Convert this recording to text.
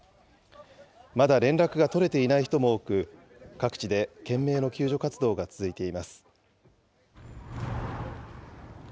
まだ連絡が取れていない人も多く、各地で懸命の救助活動が続いています。